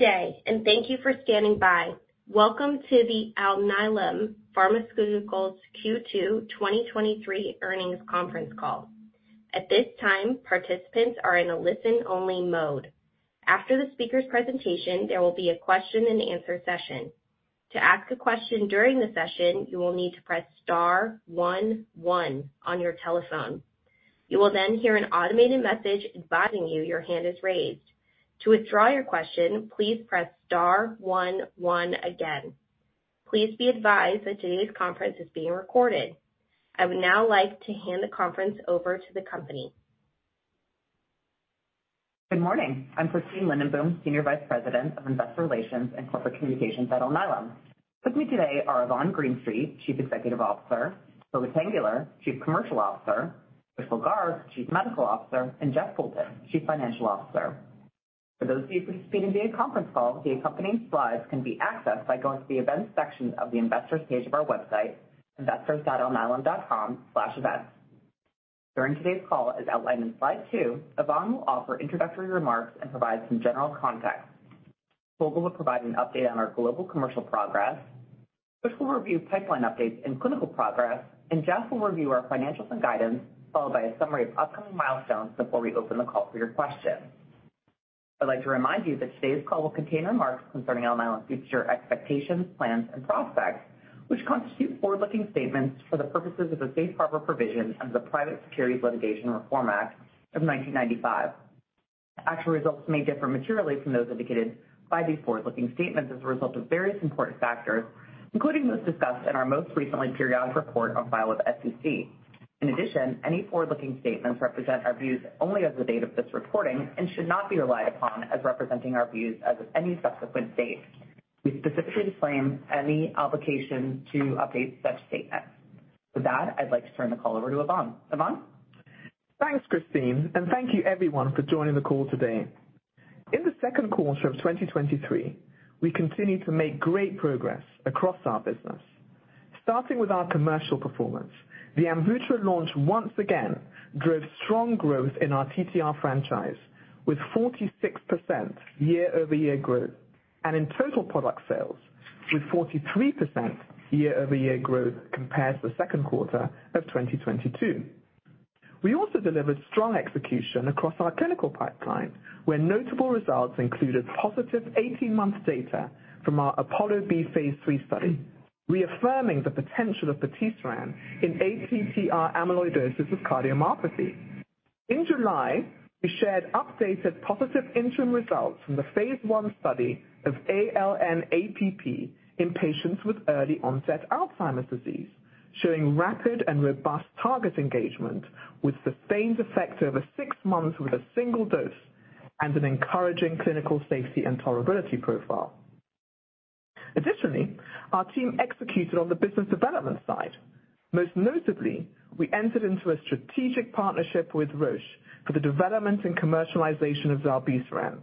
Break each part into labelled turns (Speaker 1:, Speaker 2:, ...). Speaker 1: Good day. Thank you for standing by. Welcome to the Alnylam Pharmaceuticals Q2 2023 earnings conference call. At this time, participants are in a listen-only mode. After the speaker's presentation, there will be a question-and-answer session. To ask a question during the session, you will need to press star one one on your telephone. You will hear an automated message advising you your hand is raised. To withdraw your question, please press star one one again. Please be advised that today's conference is being recorded. I would now like to hand the conference over to the company.
Speaker 2: Good morning. I'm Christine Lindenboom, Senior Vice President of Investor Relations and Corporate Communications at Alnylam. With me today are Yvonne Greenstreet, Chief Executive Officer, Tolga Tanguler, Chief Commercial Officer, Pushkal Garg, Chief Medical Officer, and Jeff Poulton, Chief Financial Officer. For those of you participating via conference call, the accompanying slides can be accessed by going to the events section of the investors page of our website, investors.alnylam.com/events. During today's call, as outlined in slide 2, Yvonne will offer introductory remarks and provide some general context. Tolga will provide an update on our global commercial progress, which will review pipeline updates and clinical progress. Jeff will review our financials and guidance, followed by a summary of upcoming milestones before we open the call for your questions. I'd like to remind you that today's call will contain remarks concerning Alnylam's future expectations, plans, and prospects, which constitute forward-looking statements for the purposes of the Safe Harbor provision of the Private Securities Litigation Reform Act of 1995. Actual results may differ materially from those indicated by these forward-looking statements as a result of various important factors, including those discussed in our most recently periodic report on file with the SEC. In addition, any forward-looking statements represent our views only as of the date of this reporting and should not be relied upon as representing our views as of any subsequent date. We specifically disclaim any obligation to update such statements. With that, I'd like to turn the call over to Yvonne. Yvonne?
Speaker 3: Thanks, Christine, thank you everyone for joining the call today. In the second quarter of 2023, we continued to make great progress across our business. Starting with our commercial performance, the AMVUTTRA launch once again drove strong growth in our TTR franchise, with 46% year-over-year growth, and in total product sales, with 43% year-over-year growth compared to the second quarter of 2022. We also delivered strong execution across our clinical pipeline, where notable results included positive 18-month data from our APOLLO-B phase 3 study, reaffirming the potential of patisiran in ATTR amyloidosis with cardiomyopathy. In July, we shared updated positive interim results from the phase 1 study of ALN-APP in patients with early onset Alzheimer's disease, showing rapid and robust target engagement with sustained effects over 6 months with a single dose and an encouraging clinical safety and tolerability profile. Additionally, our team executed on the business development side. Most notably, we entered into a strategic partnership with Roche for the development and commercialization of zilebesiran,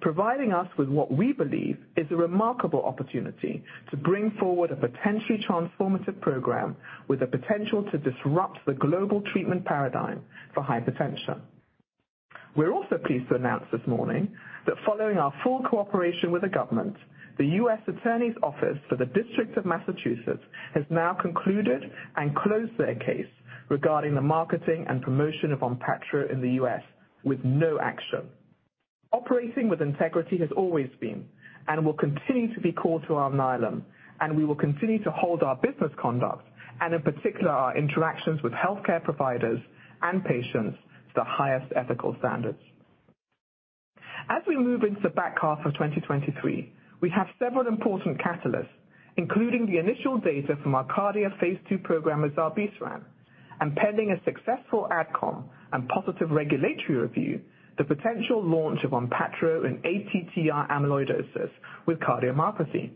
Speaker 3: providing us with what we believe is a remarkable opportunity to bring forward a potentially transformative program with the potential to disrupt the global treatment paradigm for hypertension. We're also pleased to announce this morning that following our full cooperation with the government, the U.S. Attorney's Office for the District of Massachusetts has now concluded and closed their case regarding the marketing and promotion of ONPATTRO in the U.S. with no action. Operating with integrity has always been, and will continue to be core to Alnylam, and we will continue to hold our business conduct, and in particular, our interactions with healthcare providers and patients, to the highest ethical standards. As we move into the back half of 2023, we have several important catalysts, including the initial data from our KARDIA phase 2 program with zilebesiran, and pending a successful AdCom and positive regulatory review, the potential launch of ONPATTRO in ATTR amyloidosis with cardiomyopathy.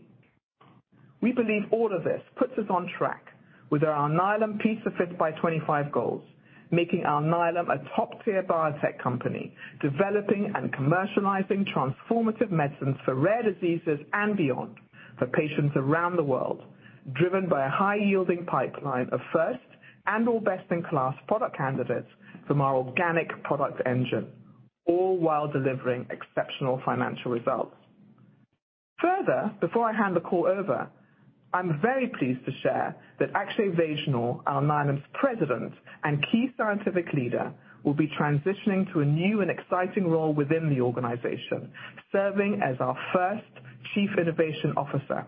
Speaker 3: We believe all of this puts us on track with our Alnylam P5x25 goals, making Alnylam a top-tier biotech company, developing and commercializing transformative medicines for rare diseases and beyond for patients around the world, driven by a high-yielding pipeline of first and or best-in-class product candidates from our organic product engine, all while delivering exceptional financial results. Before I hand the call over, I'm very pleased to share that Akshay Vaishnaw, Alnylam's President and key scientific leader, will be transitioning to a new and exciting role within the organization, serving as our first Chief Innovation Officer.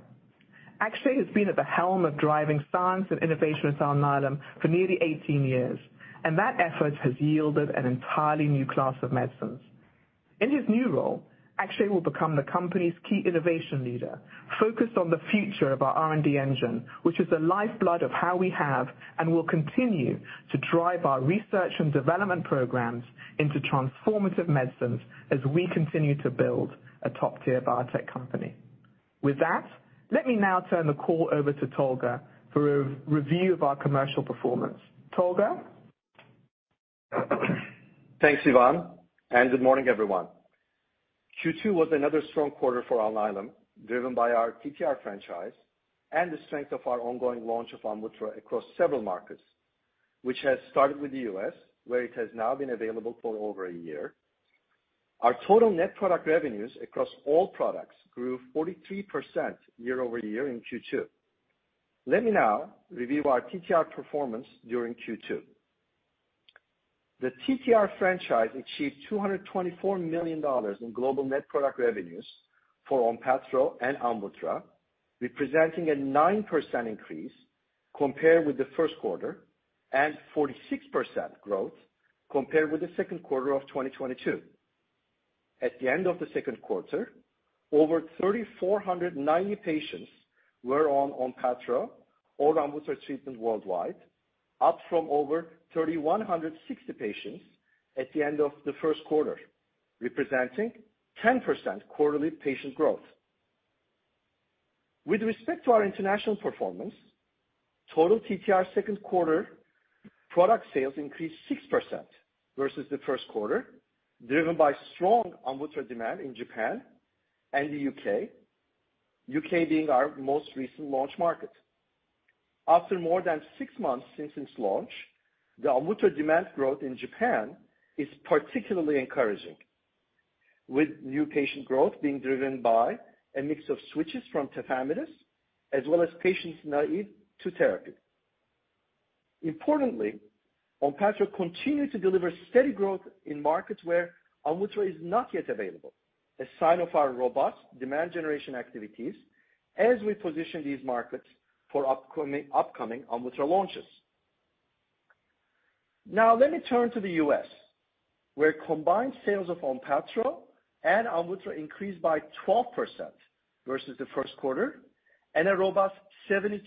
Speaker 3: Akshay has been at the helm of driving science and innovation at Alnylam for nearly 18 years, and that effort has yielded an entirely new class of medicines. In his new role, Akshay will become the company's key innovation leader, focused on the future of our R&D engine, which is the lifeblood of how we have and will continue to drive our research and development programs into transformative medicines as we continue to build a top-tier biotech company. With that, let me now turn the call over to Tolga for a review of our commercial performance. Tolga?
Speaker 4: Thanks, Yvonne. Good morning, everyone. Q2 was another strong quarter for Alnylam, driven by our TTR franchise and the strength of our ongoing launch of AMVUTTRA across several markets.... which has started with the US, where it has now been available for over a year. Our total net product revenues across all products grew 43% year-over-year in Q2. Let me now review our TTR performance during Q2. The TTR franchise achieved $224 million in global net product revenues for ONPATTRO and AMVUTTRA, representing a 9% increase compared with the first quarter, and 46% growth compared with the second quarter of 2022. At the end of the second quarter, over 3,490 patients were on ONPATTRO or AMVUTTRA treatment worldwide, up from over 3,160 patients at the end of the first quarter, representing 10% quarterly patient growth. With respect to our international performance, total TTR second quarter product sales increased 6% versus the first quarter, driven by strong AMVUTTRA demand in Japan and the U.K. U.K. being our most recent launch market. After more than six months since its launch, the AMVUTTRA demand growth in Japan is particularly encouraging, with new patient growth being driven by a mix of switches from Tafamidis, as well as patients naive to therapy. Importantly, ONPATTRO continued to deliver steady growth in markets where AMVUTTRA is not yet available, a sign of our robust demand generation activities as we position these markets for upcoming AMVUTTRA launches. Now let me turn to the U.S., where combined sales of ONPATTRO and AMVUTTRA increased by 12% versus the first quarter, and a robust 72%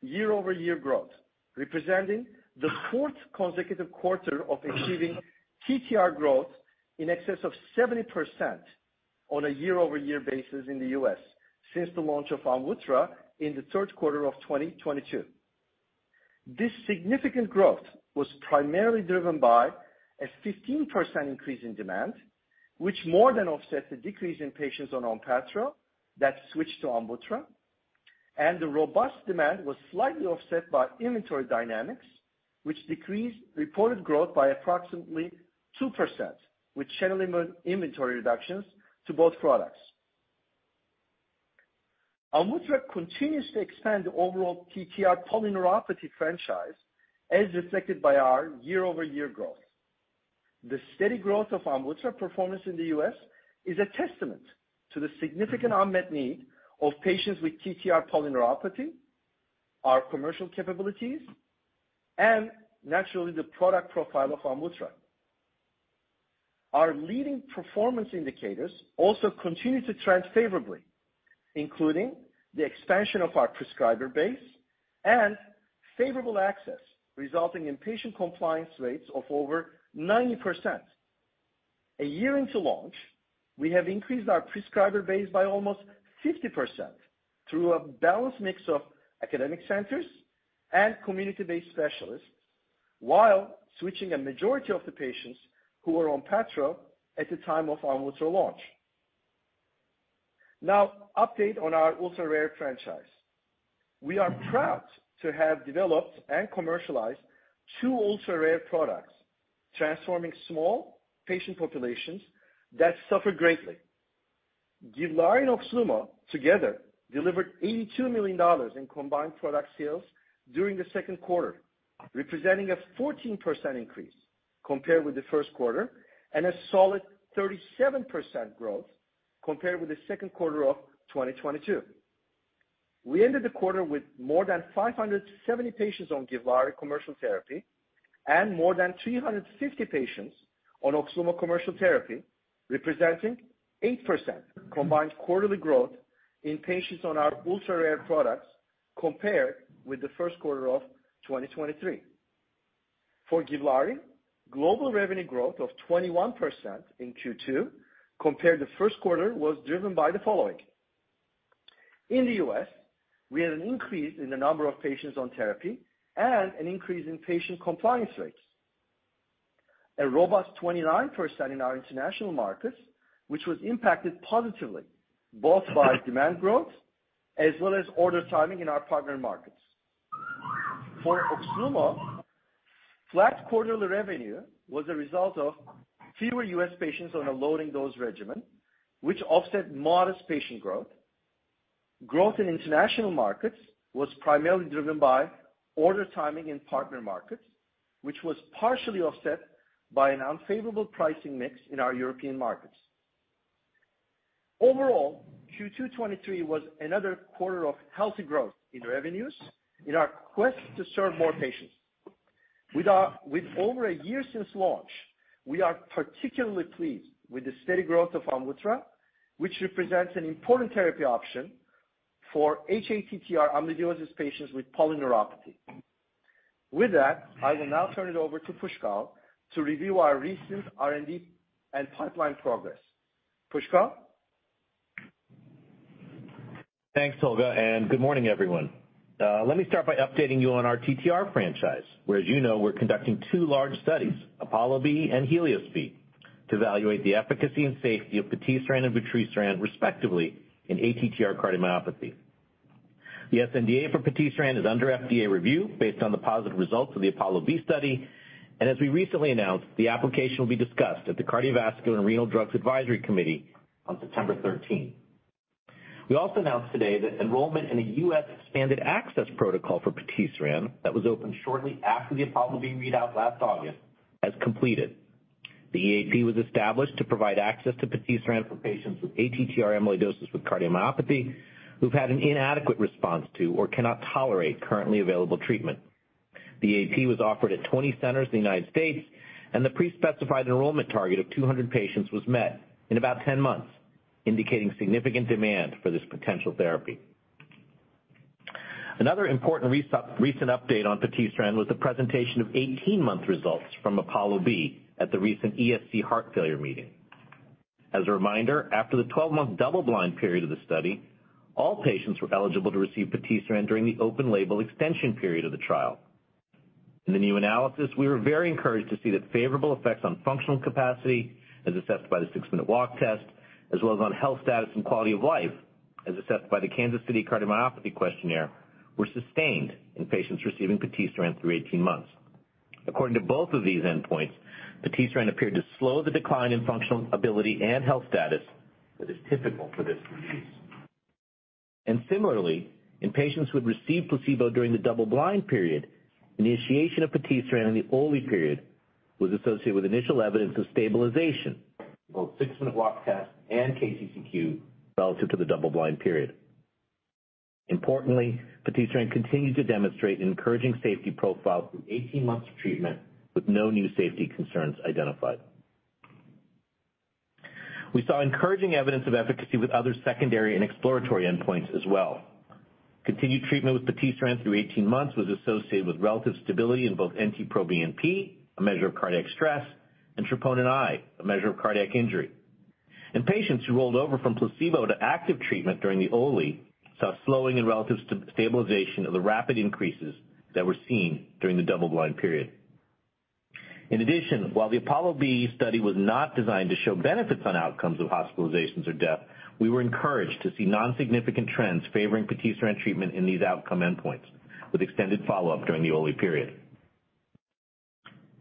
Speaker 4: year-over-year growth, representing the 4th consecutive quarter of achieving TTR growth in excess of 70% on a year-over-year basis in the U.S. since the launch of AMVUTTRA in the 3rd quarter of 2022. This significant growth was primarily driven by a 15% increase in demand, which more than offset the decrease in patients on ONPATTRO that switched to AMVUTTRA, and the robust demand was slightly offset by inventory dynamics, which decreased reported growth by approximately 2%, with general inventory reductions to both products. AMVUTTRA continues to expand the overall TTR polyneuropathy franchise, as reflected by our year-over-year growth. The steady growth of AMVUTTRA performance in the US is a testament to the significant unmet need of patients with TTR polyneuropathy, our commercial capabilities, and naturally, the product profile of AMVUTTRA. Our leading performance indicators also continue to trend favorably, including the expansion of our prescriber base and favorable access, resulting in patient compliance rates of over 90%. A year into launch, we have increased our prescriber base by almost 50% through a balanced mix of academic centers and community-based specialists, while switching a majority of the patients who were ONPATTRO at the time of AMVUTTRA launch. Update on our ultra-rare franchise. We are proud to have developed and commercialized two ultra-rare products, transforming small patient populations that suffer greatly. GIVLAARI and OXLUMO together delivered $82 million in combined product sales during the second quarter, representing a 14% increase compared with the first quarter, a solid 37% growth compared with the second quarter of 2022. We ended the quarter with more than 570 patients on GIVLAARI commercial therapy and more than 350 patients on OXLUMO commercial therapy, representing 8% combined quarterly growth in patients on our ultra-rare products compared with the first quarter of 2023. For GIVLAARI, global revenue growth of 21% in Q2 compared to first quarter, was driven by the following. In the U.S., we had an increase in the number of patients on therapy and an increase in patient compliance rates. A robust 29% in our international markets, which was impacted positively both by demand growth as well as order timing in our partner markets. For OXLUMO, flat quarterly revenue was a result of fewer U.S. patients on a loading dose regimen, which offset modest patient growth. Growth in international markets was primarily driven by order timing in partner markets, which was partially offset by an unfavorable pricing mix in our European markets. Overall, Q2 2023 was another quarter of healthy growth in revenues in our quest to serve more patients. With over a year since launch, we are particularly pleased with the steady growth of AMVUTTRA, which represents an important therapy option for hATTR amyloidosis patients with polyneuropathy. With that, I will now turn it over to Pushkal to review our recent R&D and pipeline progress. Pushkal?
Speaker 5: Thanks, Tolga, and good morning, everyone. Let me start by updating you on our TTR franchise, where, as you know, we're conducting two large studies, APOLLO-B and HELIOS-B.... to evaluate the efficacy and safety of patisiran and vutrisiran, respectively, in ATTR cardiomyopathy. The sNDA for patisiran is under FDA review based on the positive results of the APOLLO-B study. As we recently announced, the application will be discussed at the Cardiovascular and Renal Drugs Advisory Committee on September 13th. We also announced today that enrollment in a U.S. expanded access protocol for patisiran that was opened shortly after the APOLLO-B readout last August, has completed. The EAP was established to provide access to patisiran for patients with ATTR amyloidosis with cardiomyopathy, who've had an inadequate response to or cannot tolerate currently available treatment. The EAP was offered at 20 centers in the United States. The pre-specified enrollment target of 200 patients was met in about 10 months, indicating significant demand for this potential therapy. Another important recent update on patisiran was the presentation of 18-month results from APOLLO-B at the recent ESC Heart Failure meeting. As a reminder, after the 12-month double-blind period of the study, all patients were eligible to receive patisiran during the open label extension period of the trial. In the new analysis, we were very encouraged to see that favorable effects on functional capacity, as assessed by the 6-minute walk test, as well as on health status and quality of life, as assessed by the Kansas City Cardiomyopathy Questionnaire, were sustained in patients receiving patisiran through 18 months. According to both of these endpoints, patisiran appeared to slow the decline in functional ability and health status that is typical for this disease. Similarly, in patients who had received placebo during the double-blind period, initiation of patisiran in the OLE period was associated with initial evidence of stabilization, both 6-minute walk test and KCCQ, relative to the double-blind period. Importantly, patisiran continued to demonstrate an encouraging safety profile through 18 months of treatment with no new safety concerns identified. We saw encouraging evidence of efficacy with other secondary and exploratory endpoints as well. Continued treatment with patisiran through 18 months was associated with relative stability in both NT-proBNP, a measure of cardiac stress, and troponin I, a measure of cardiac injury. In patients who rolled over from placebo to active treatment during the OLE, saw a slowing and relative stabilization of the rapid increases that were seen during the double-blind period. In addition, while the APOLLO-B study was not designed to show benefits on outcomes of hospitalizations or death, we were encouraged to see non-significant trends favoring patisiran treatment in these outcome endpoints, with extended follow-up during the OLE period.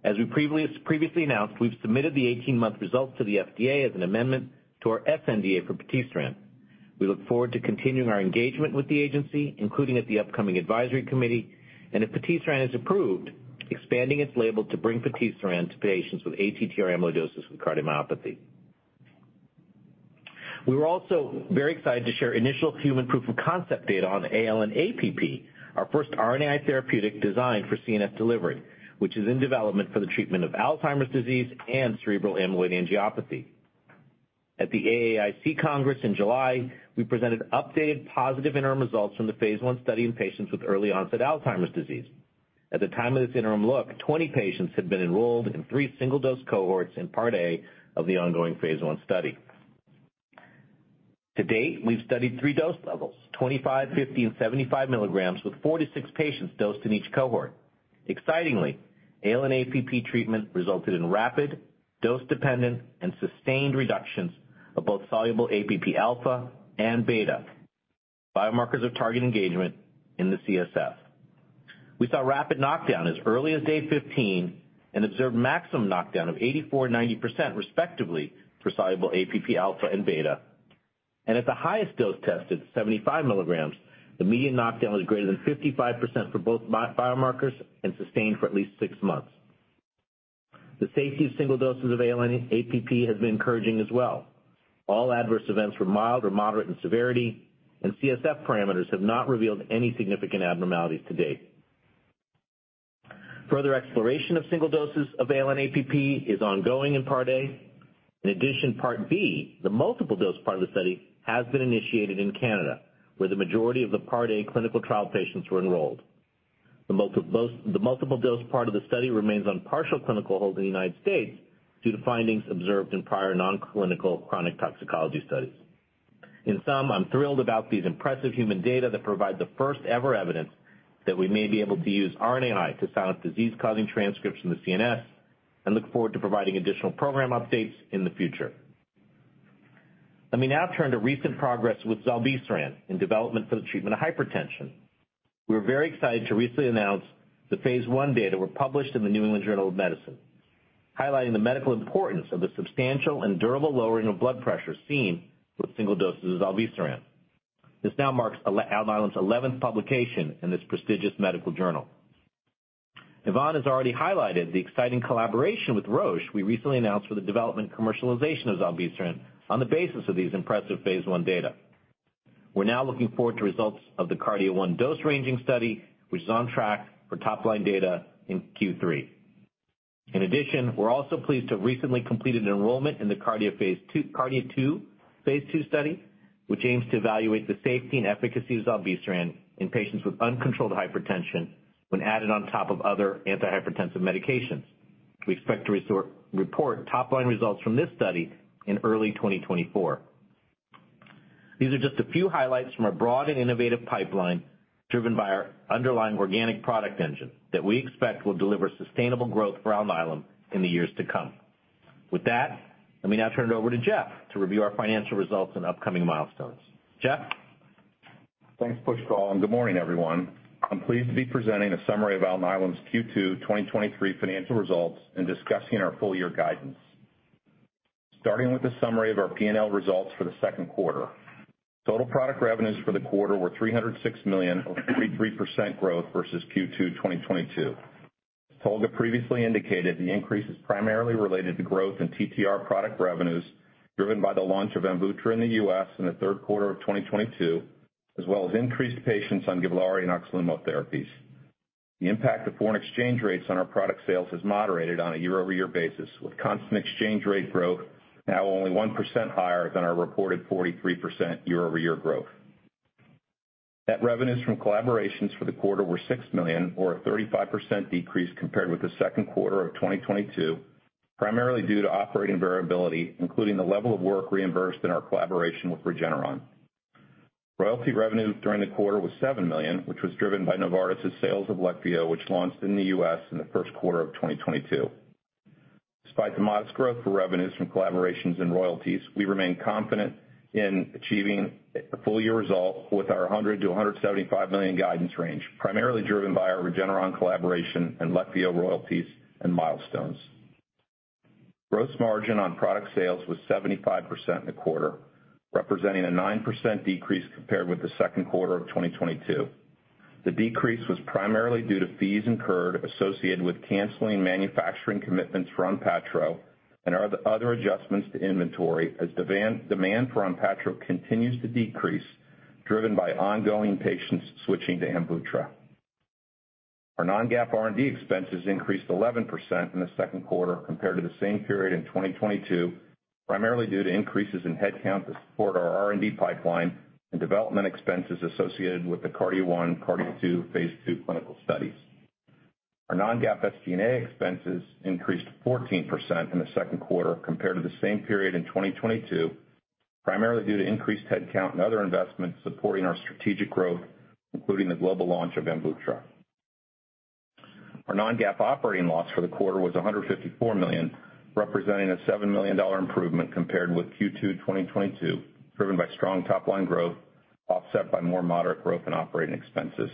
Speaker 5: As we previously announced, we've submitted the 18-month results to the FDA as an amendment to our sNDA for patisiran. We look forward to continuing our engagement with the agency, including at the upcoming advisory committee, and if patisiran is approved, expanding its label to bring patisiran to patients with ATTR amyloidosis and cardiomyopathy. We were also very excited to share initial human proof of concept data on ALN-APP, our first RNAi therapeutic designed for CNS delivery, which is in development for the treatment of Alzheimer's disease and cerebral amyloid angiopathy. At the AAIC Congress in July, we presented updated positive interim results from the phase I study in patients with early-onset Alzheimer's disease. At the time of this interim look, 20 patients had been enrolled in 3 single-dose cohorts in Part A of the ongoing phase I study. To date, we've studied 3 dose levels: 25, 50, and 75 milligrams, with 4 to 6 patients dosed in each cohort. Excitingly, ALN-APP treatment resulted in rapid, dose-dependent, and sustained reductions of both soluble APP alpha and beta, biomarkers of target engagement in the CSF. We saw rapid knockdown as early as day 15 and observed maximum knockdown of 84% and 90% respectively, for soluble APP alpha and beta. At the highest dose tested, 75 milligrams, the median knockdown was greater than 55% for both biomarkers and sustained for at least 6 months. The safety of single doses of ALN-APP has been encouraging as well. All adverse events were mild or moderate in severity, and CSF parameters have not revealed any significant abnormalities to date. Further exploration of single doses of ALN-APP is ongoing in Part A. In addition, Part B, the multiple dose part of the study, has been initiated in Canada, where the majority of the Part A clinical trial patients were enrolled. The multiple dose part of the study remains on partial clinical hold in the United States due to findings observed in prior non-clinical chronic toxicology studies. In sum, I'm thrilled about these impressive human data that provide the first-ever evidence that we may be able to use RNAi to silence disease-causing transcripts in the CNS and look forward to providing additional program updates in the future. Let me now turn to recent progress with zilebesiran in development for the treatment of hypertension. We were very excited to recently announce the phase I data were published in The New England Journal of Medicine, highlighting the medical importance of the substantial and durable lowering of blood pressure seen with single doses of zilebesiran. This now marks Alnylam's eleventh publication in this prestigious medical journal. Yvonne has already highlighted the exciting collaboration with Roche we recently announced for the development and commercialization of zilebesiran on the basis of these impressive phase I data. We're now looking forward to results of the KARDIA-1 dose-ranging study, which is on track for top-line data in Q3. In addition, we're also pleased to have recently completed enrollment in the KARDIA-2 phase 2 study, which aims to evaluate the safety and efficacy of zilebesiran in patients with uncontrolled hypertension when added on top of other antihypertensive medications. We expect to report top-line results from this study in early 2024. These are just a few highlights from our broad and innovative pipeline, driven by our underlying organic product engine that we expect will deliver sustainable growth for Alnylam in the years to come. With that, let me now turn it over to Jeff to review our financial results and upcoming milestones. Jeff?
Speaker 6: Thanks, Pushkal. Good morning, everyone. I'm pleased to be presenting a summary of Alnylam's Q2 2023 financial results and discussing our full year guidance. Starting with a summary of our P&L results for the second quarter. Total product revenues for the quarter were $306 million, or 33% growth versus Q2 2022. Tolga previously indicated the increase is primarily related to growth in TTR product revenues, driven by the launch of AMVUTTRA in the U.S. in the third quarter of 2022, as well as increased patients on GIVLAARI and OXLUMO therapies. The impact of foreign exchange rates on our product sales has moderated on a year-over-year basis, with constant exchange rate growth now only 1% higher than our reported 43% year-over-year growth. Net revenues from collaborations for the quarter were $6 million, or a 35% decrease compared with the second quarter of 2022, primarily due to operating variability, including the level of work reimbursed in our collaboration with Regeneron. Royalty revenue during the quarter was $7 million, which was driven by Novartis' sales of Leqvio, which launched in the U.S. in the first quarter of 2022. Despite the modest growth for revenues from collaborations and royalties, we remain confident in achieving a full year result with our $100 million-$175 million guidance range, primarily driven by our Regeneron collaboration and Leqvio royalties and milestones. Gross margin on product sales was 75% in the quarter, representing a 9% decrease compared with the second quarter of 2022. The decrease was primarily due to fees incurred associated with canceling manufacturing commitments from ONPATTRO and other, other adjustments to inventory as demand for ONPATTRO continues to decrease, driven by ongoing patients switching to AMVUTTRA. Our non-GAAP R&D expenses increased 11% in the second quarter compared to the same period in 2022, primarily due to increases in headcount to support our R&D pipeline and development expenses associated with the KARDIA-1, KARDIA-2 phase 2 clinical studies. Our non-GAAP SG&A expenses increased 14% in the second quarter compared to the same period in 2022, primarily due to increased headcount and other investments supporting our strategic growth, including the global launch of AMVUTTRA. Our non-GAAP operating loss for the quarter was $154 million, representing a $7 million improvement compared with Q2 2022, driven by strong top-line growth, offset by more moderate growth in operating expenses.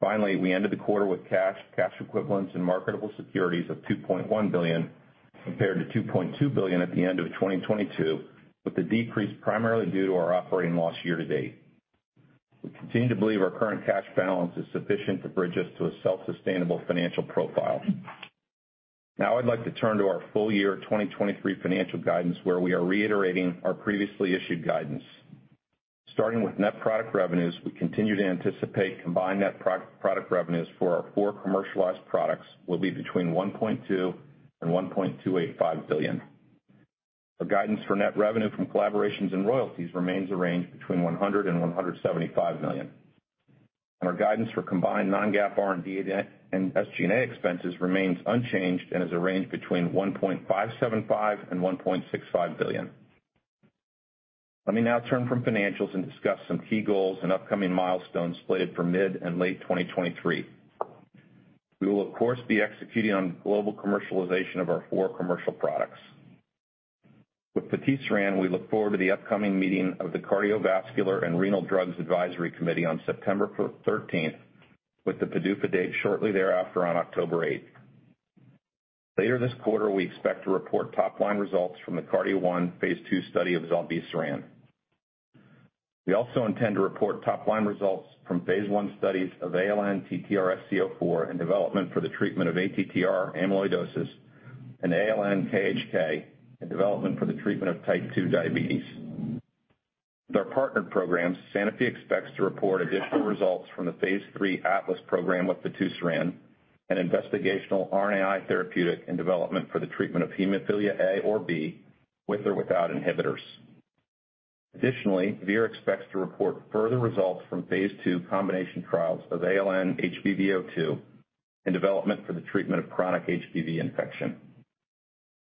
Speaker 6: Finally, we ended the quarter with cash, cash equivalents, and marketable securities of $2.1 billion, compared to $2.2 billion at the end of 2022, with the decrease primarily due to our operating loss year to date. We continue to believe our current cash balance is sufficient to bridge us to a self-sustainable financial profile. Now I'd like to turn to our full year 2023 financial guidance, where we are reiterating our previously issued guidance. Starting with net product revenues, we continue to anticipate combined net product revenues for our four commercialized products will be between $1.2 billion and $1.285 billion. Our guidance for net revenue from collaborations and royalties remains a range between $100 million and $175 million. Our guidance for combined non-GAAP R&D and SG&A expenses remains unchanged and is a range between $1.575 billion and $1.65 billion. Let me now turn from financials and discuss some key goals and upcoming milestones slated for mid and late 2023. We will, of course, be executing on global commercialization of our 4 commercial products. With patisiran, we look forward to the upcoming meeting of the Cardiovascular and Renal Drugs Advisory Committee on September 13th, with the PDUFA date shortly thereafter on October 8th. Later this quarter, we expect to report top-line results from the KARDIA-1 phase II study of zilebesiran. We also intend to report top-line results from phase I studies of ALN-TTRsc04 and development for the treatment of ATTR amyloidosis and ALN-KHK, in development for the treatment of type 2 diabetes. With our partnered programs, Sanofi expects to report additional results from the phase III ATLAS program with fitusiran, an investigational RNAi therapeutic in development for the treatment of hemophilia A or B, with or without inhibitors. Additionally, Vir expects to report further results from phase II combination trials of ALN-HBV02 in development for the treatment of chronic HBV infection.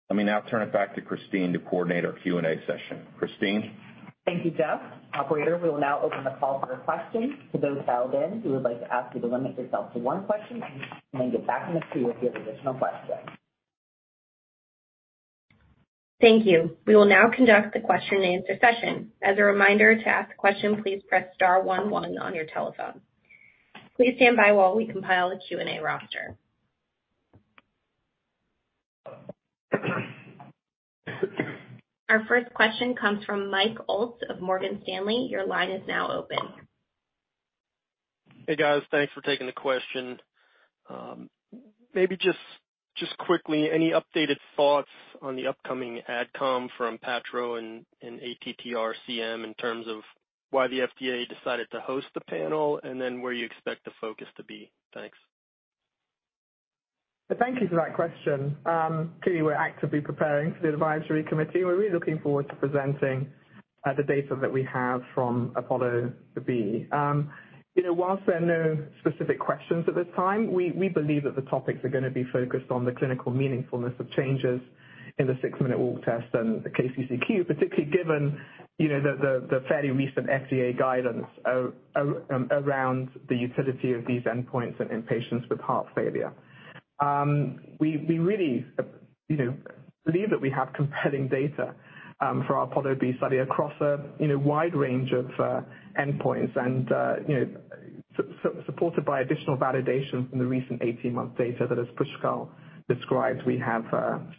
Speaker 6: Let me now turn it back to Christine to coordinate our Q&A session. Christine?
Speaker 2: Thank you, Jeff. Operator, we will now open the call for your questions. To those dialed in, we would like to ask you to limit yourself to one question, and then get back in the queue if you have additional questions.
Speaker 1: Thank you. We will now conduct the question and answer session. As a reminder, to ask a question, please press star 1, 1 on your telephone. Please stand by while we compile the Q&A roster. Our first question comes from Michael Arlt of Morgan Stanley. Your line is now open.
Speaker 7: Hey, guys. Thanks for taking the question. Maybe just, just quickly, any updated thoughts on the upcoming AdCom from patisiran and ATTR-CM in terms of why the FDA decided to host the panel, and then where you expect the focus to be? Thanks.
Speaker 3: Thank you for that question. Clearly, we're actively preparing for the Advisory Committee. We're really looking forward to presenting the data that we have from APOLLO-B. You know, whilst there are no specific questions at this time, we, we believe that the topics are going to be focused on the clinical meaningfulness of changes in the 6-minute walk test and the KCCQ, particularly given, you know, the, the, the fairly recent FDA guidance around the utility of these endpoints in, in patients with heart failure. We, we really, you know, believe that we have compelling data for our APOLLO-B study across a, you know, wide range of endpoints and, you know, supported by additional validation from the recent 18-month data that, as Pushkal described, we have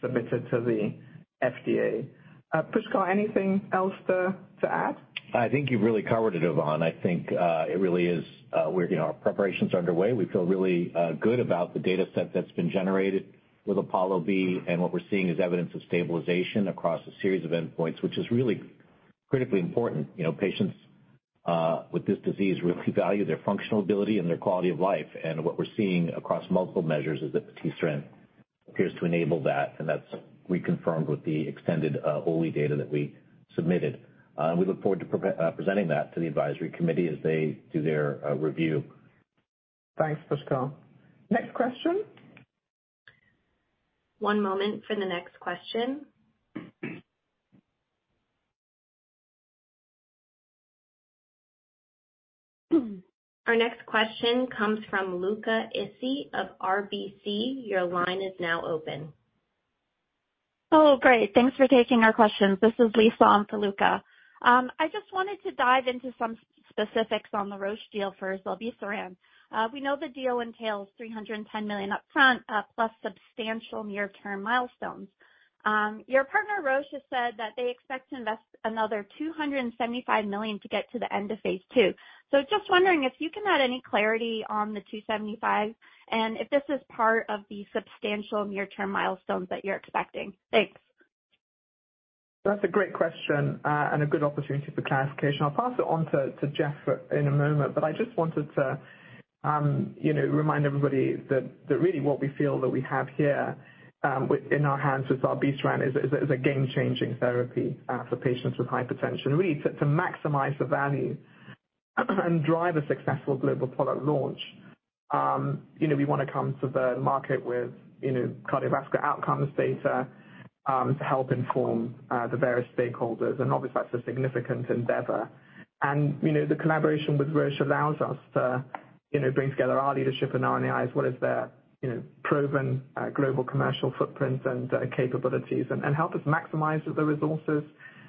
Speaker 3: submitted to the FDA. Pushkal, anything else to, to add?
Speaker 5: I think you've really covered it, Yvonne. I think it really is, we're, you know, our preparations are underway. We feel really good about the data set that's been generated with APOLLO-B, and what we're seeing is evidence of stabilization across a series of endpoints, which is really critically important. You know, patients with this disease really value their functional ability and their quality of life, and what we're seeing across multiple measures is that patisiran appears to enable that, and that's reconfirmed with the extended OLE data that we submitted. We look forward to presenting that to the advisory committee as they do their review.
Speaker 3: Thanks, Pushkal. Next question?
Speaker 1: One moment for the next question. Our next question comes from Luca Issi of RBC. Your line is now open.
Speaker 8: Oh, great, thanks for taking our questions. This is Lisa on for Luca. I just wanted to dive into some specifics on the Roche deal for zilebesiran. We know the deal entails $310 million upfront, plus substantial near-term milestones. Your partner, Roche, has said that they expect to invest another $275 million to get to the end of phase 2. Just wondering if you can add any clarity on the $275, and if this is part of the substantial near-term milestones that you're expecting. Thanks.
Speaker 3: That's a great question and a good opportunity for clarification. I'll pass it on to Jeff in a moment, but I just wanted to, you know, remind everybody that really what we feel that we have here in our hands with zilebesiran is a game-changing therapy for patients with hypertension. Really, to maximize the value and drive a successful global product launch, you know, we want to come to the market with, you know, cardiovascular outcomes data to help inform the various stakeholders, and obviously, that's a significant endeavor. You know, the collaboration with Roche allows us to, you know, bring together our leadership and our eyes, what is their, you know, proven global commercial footprint and capabilities, and help us maximize the resources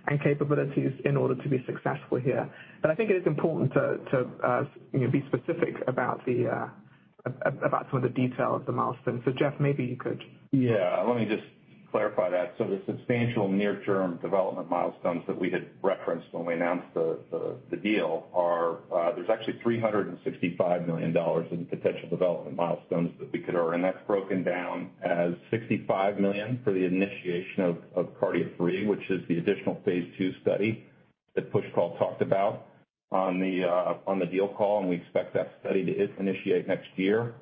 Speaker 3: and capabilities in order to be successful here. I think it is important to, to, you know, be specific about the, about some of the detail of the milestones. Jeff, maybe you could.
Speaker 6: Yeah, let me just clarify that. The substantial near-term development milestones that we had referenced when we announced the deal are, there's actually $365 million in potential development milestones that we could earn, and that's broken down as $65 million for the initiation of KARDIA-3, which is the additional phase 2 study that Pushkal talked about on the deal call, and we expect that study to initiate next year.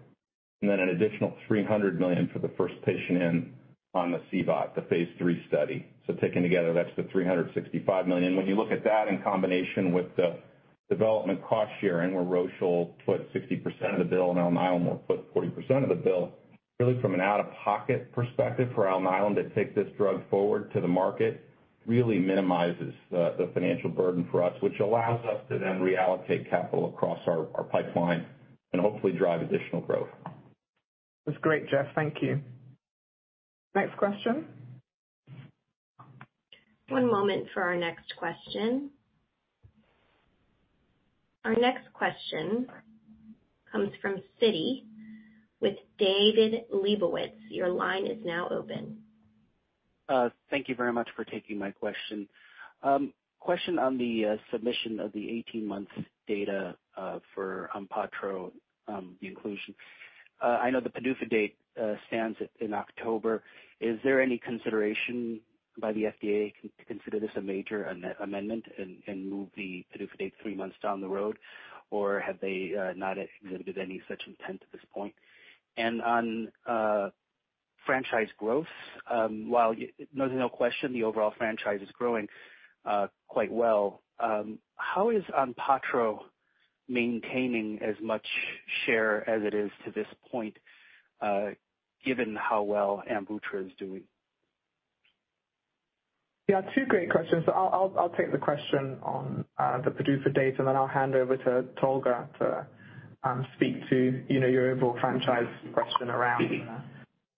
Speaker 6: An additional $300 million for the first patient in on the CVOT, the phase 3 study. Taken together, that's the $365 million. When you look at that in combination with the development cost sharing, where Roche will put 60% of the bill and Alnylam will put 40% of the bill, really from an out-of-pocket perspective for Alnylam to take this drug forward to the market, really minimizes the, the financial burden for us, which allows us to then reallocate capital across our, our pipeline and hopefully drive additional growth.
Speaker 3: That's great, Jeff. Thank you. Next question?
Speaker 1: One moment for our next question. Our next question comes from Citi, with David Lebowitz. Your line is now open.
Speaker 9: Thank you very much for taking my question. Question on the submission of the 18 months data for ONPATTRO, the inclusion. I know the PDUFA date stands in October. Is there any consideration by the FDA to consider this a major amendment and move the PDUFA date 3 months down the road? Or have they not exhibited any such intent at this point? On franchise growth, while there's no question the overall franchise is growing quite well, how is ONPATTRO maintaining as much share as it is to this point, given how well AMVUTTRA is doing?
Speaker 3: 2 great questions. I'll, I'll, I'll take the question on the PDUFA date, and then I'll hand over to Tolga to speak to, you know, your overall franchise question around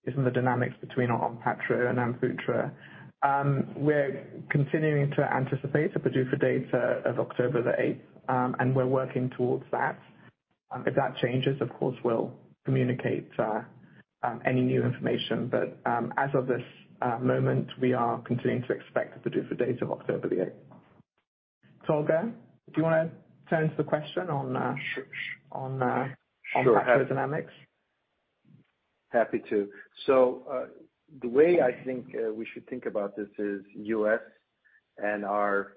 Speaker 3: the dynamics between ONPATTRO and AMVUTTRA. We're continuing to anticipate a PDUFA date of October the 8th, and we're working towards that. If that changes, of course, we'll communicate any new information. As of this moment, we are continuing to expect a PDUFA date of October the 8th. Tolga, do you want to turn to the question on on ONPATTRO dynamics?
Speaker 5: Happy to. The way I think, we should think about this is U.S.-
Speaker 4: Our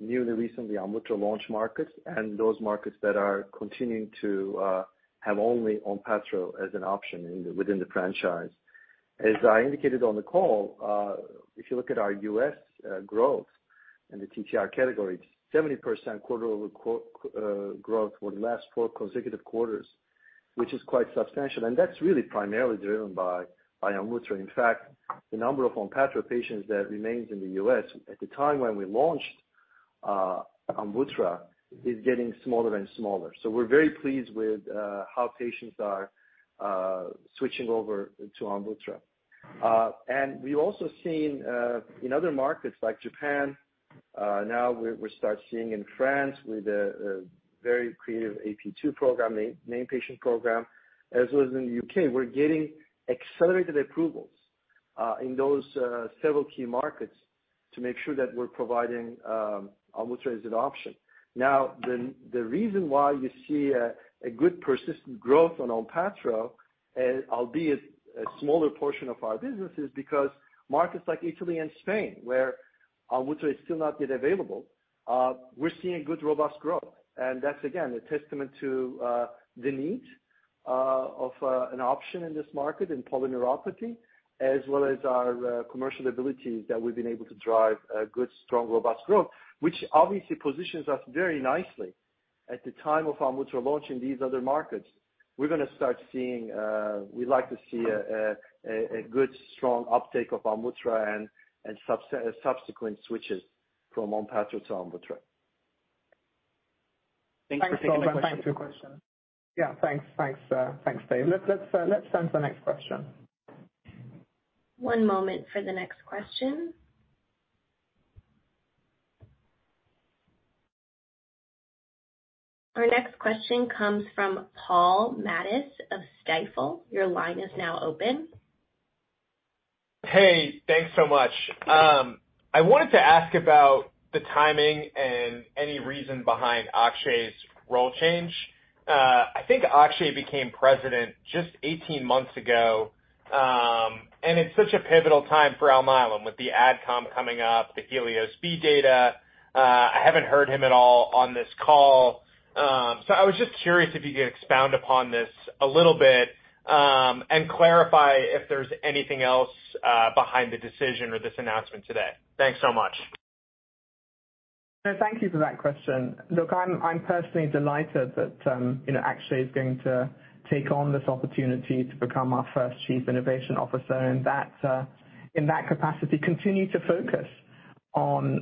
Speaker 4: newly recently AMVUTTRA launch markets and those markets that are continuing to have only ONPATTRO as an option within the franchise. As I indicated on the call, if you look at our US growth in the TTRI category, 70% quarter over growth for the last 4 consecutive quarters, which is quite substantial. That's really primarily driven by AMVUTTRA. In fact, the number of ONPATTRO patients that remains in the US at the time when we launched AMVUTTRA, is getting smaller and smaller. We're very pleased with how patients are switching over to AMVUTTRA. We've also seen in other markets like Japan, we start seeing in France with a very creative ATU program, name patient program, as well as in the UK. We're getting accelerated approvals in those several key markets to make sure that we're providing AMVUTTRA as an option. Now, the reason why you see a good persistent growth on ONPATTRO, albeit a smaller portion of our business, is because markets like Italy and Spain, where AMVUTTRA is still not yet available, we're seeing good, robust growth. That's again, a testament to the need of an option in this market in polyneuropathy, as well as our commercial abilities that we've been able to drive a good, strong, robust growth, which obviously positions us very nicely. At the time of AMVUTTRA launching these other markets, we're gonna start seeing. We'd like to see a good strong uptake of AMVUTTRA and subsequent switches from ONPATTRO to AMVUTTRA.
Speaker 9: Thanks for taking the question.
Speaker 3: Yeah, thanks. Thanks, thanks, Dave. Let's, let's, let's turn to the next question.
Speaker 1: One moment for the next question. Our next question comes from Paul Matties of Stifel. Your line is now open.
Speaker 10: Hey, thanks so much. I wanted to ask about the timing and any reason behind Akshay's role change. I think Akshay became president just 18 months ago, and it's such a pivotal time for Alnylam, with the AdCom coming up, the HELIOS-B data. I haven't heard him at all on this call. I was just curious if you could expound upon this a little bit, and clarify if there's anything else behind the decision or this announcement today. Thanks so much.
Speaker 3: Thank you for that question. Look, I'm, I'm personally delighted that, you know, Akshay Vaishnaw is going to take on this opportunity to become our first Chief Innovation Officer, and that, in that capacity, continue to focus on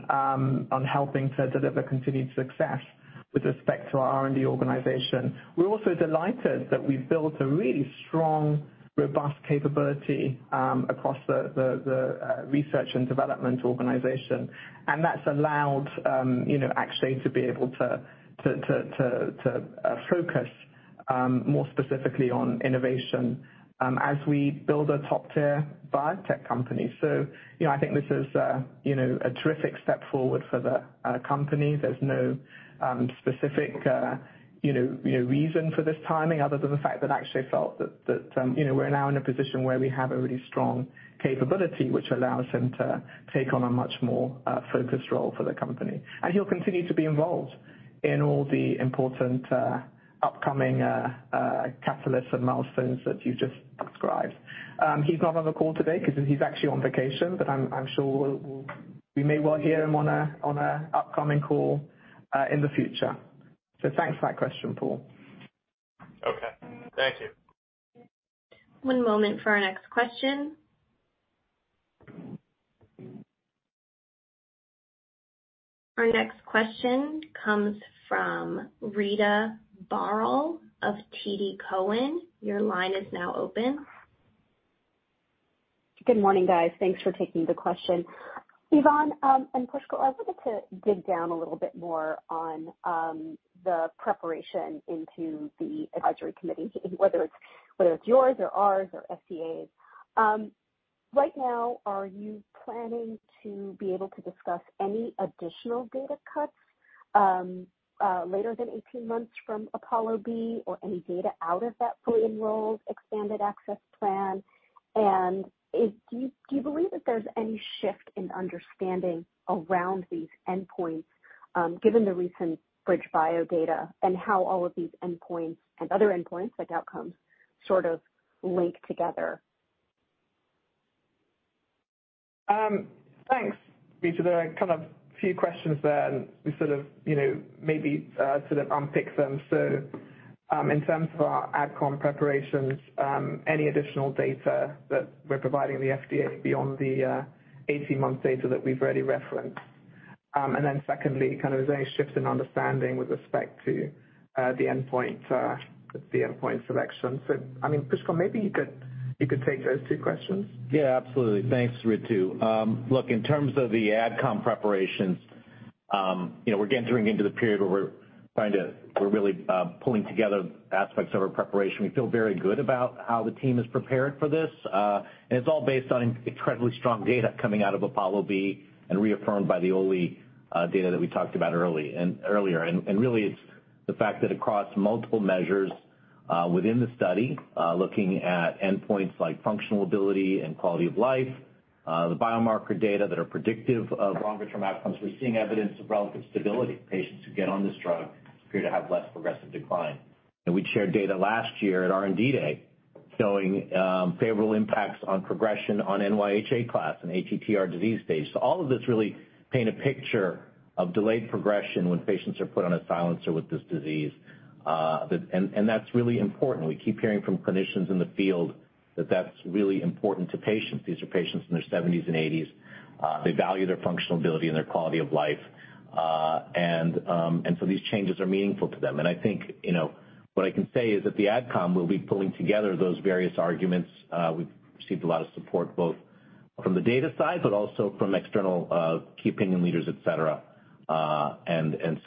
Speaker 3: helping to deliver continued success with respect to our R&D organization. We're also delighted that we've built a really strong, robust capability across the research and development organization. That's allowed, you know, Akshay Vaishnaw to be able to focus more specifically on innovation as we build a top-tier biotech company. You know, I think this is, you know, a terrific step forward for the company. There's no specific, you know, you know, reason for this timing other than the fact that Akshay felt that, that, you know, we're now in a position where we have a really strong capability, which allows him to take on a much more focused role for the company. He'll continue to be involved in all the important, upcoming, catalysts and milestones that you've just described. He's not on the call today because he's actually on vacation, but I'm sure we'll, we may well hear him on a upcoming call in the future. So thanks for that question, Paul.
Speaker 10: Okay. Thank you.
Speaker 1: One moment for our next question. Our next question comes from Ritu Baral of TD Cowen. Your line is now open.
Speaker 11: Good morning, guys. Thanks for taking the question. Yvonne, Pushkal, I wanted to dig down a little bit more on the preparation into the Advisory Committee, whether it's, whether it's yours or ours or FDA's. Right now, are you planning to be able to discuss any additional data cuts later than 18 months from APOLLO-B, or any data out of that fully enrolled Expanded Access Plan? Do you, do you believe that there's any shift in understanding around these endpoints, given the recent BridgeBio data and how all of these endpoints and other endpoints, like outcomes, sort of link together?
Speaker 3: Thanks, Ritu. There are kind of a few questions there, and we sort of, you know, maybe sort of unpick them. In terms of our AdCom preparations, any additional data that we're providing the FDA beyond the 18-month data that we've already referenced. Secondly, kind of is there a shift in understanding with respect to the endpoint, the endpoint selection? I mean, Pushkal, maybe you could, you could take those two questions.
Speaker 11: Yeah, absolutely. Thanks, Ritu. look, in terms of the Ad Comm preparations, you know, we're entering into the period where we're trying to... We're really, pulling together aspects of our preparation. We feel very good about how the team is prepared for this, and it's all based on incredibly strong data coming out of APOLLO-B and reaffirmed by the OLE...
Speaker 5: data that we talked about early, and earlier. Really, it's the fact that across multiple measures, within the study, looking at endpoints like functional ability and quality of life, the biomarker data that are predictive of longer-term outcomes, we're seeing evidence of relative stability. Patients who get on this drug appear to have less progressive decline. We shared data last year at R&D Day, showing, favorable impacts on progression on NYHA class and ATTR disease stage. All of this really paint a picture of delayed progression when patients are put on a silencer with this disease. That- and that's really important. We keep hearing from clinicians in the field that that's really important to patients. These are patients in their seventies and eighties. They value their functional ability and their quality of life. These changes are meaningful to them. I think, you know, what I can say is that the AdCom will be pulling together those various arguments. We've received a lot of support, both from the data side, but also from external key opinion leaders, et cetera.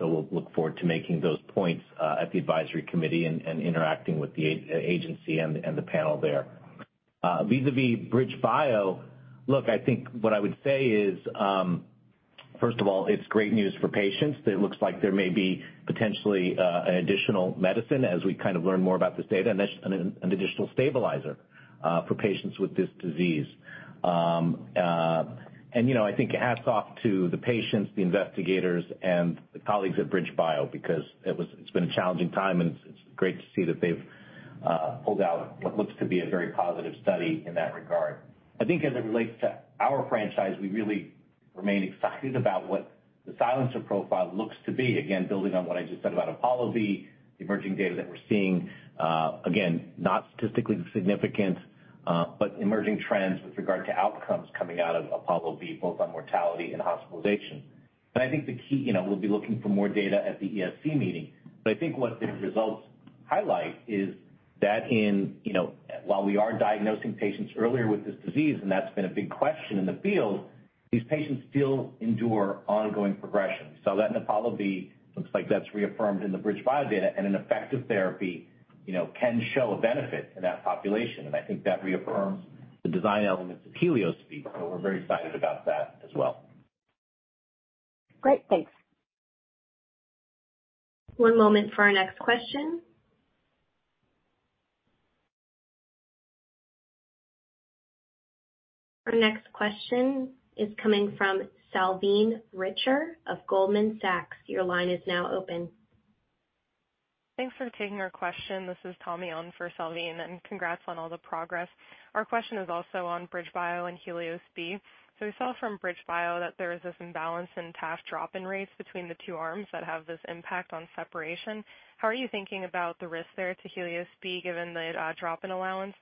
Speaker 5: We'll look forward to making those points at the advisory committee and interacting with the agency and the panel there. Vis-a-vis BridgeBio, look, I think what I would say is, first of all, it's great news for patients. It looks like there may be potentially an additional medicine as we kind of learn more about this data, and an additional stabilizer for patients with this disease. You know, I think hats off to the patients, the investigators, and the colleagues at BridgeBio, because it's been a challenging time, and it's, it's great to see that they've pulled out what looks to be a very positive study in that regard. I think as it relates to our franchise, we really remain excited about what the silencer profile looks to be. Again, building on what I just said about APOLLO-B, the emerging data that we're seeing, again, not statistically significant, but emerging trends with regard to outcomes coming out of APOLLO-B, both on mortality and hospitalization. I think the key, you know, we'll be looking for more data at the ESC meeting. I think what these results highlight is that in, you know, while we are diagnosing patients earlier with this disease, and that's been a big question in the field, these patients still endure ongoing progression. That in APOLLO-B, looks like that's reaffirmed in the BridgeBio data, and an effective therapy, you know, can show a benefit in that population. I think that reaffirms the design elements of HELIOS-B, so we're very excited about that as well.
Speaker 11: Great, thanks.
Speaker 1: One moment for our next question. Our next question is coming from Salveen Richter of Goldman Sachs. Your line is now open.
Speaker 12: Thanks for taking our question. This is Tommy on for Salveen, congrats on all the progress. Our question is also on BridgeBio and HELIOS-B. We saw from BridgeBio that there is this imbalance in taf drop-in rates between the two arms that have this impact on separation. How are you thinking about the risk there to HELIOS-B, given the drop-in allowance?